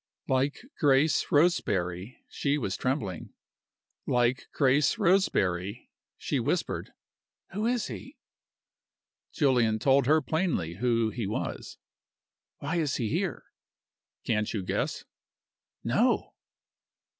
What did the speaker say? Like Grace Roseberry, she was trembling. Like Grace Roseberry, she whispered, "Who is he?" Julian told her plainly who he was. "Why is he here?" "Can't you guess?" "No!"